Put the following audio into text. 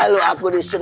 kalau aku disun